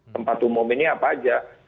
tempat umum ini apa aja